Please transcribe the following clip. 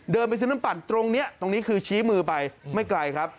ไปซื้อน้ำปั่นตรงนี้ตรงนี้คือชี้มือไปไม่ไกลครับ